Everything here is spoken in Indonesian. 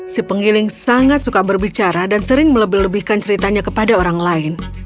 si penggiling sangat suka berbicara dan sering melebih lebihkan ceritanya kepada orang lain